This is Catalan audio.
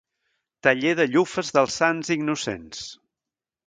Taller de llufes dels Sants Innocents.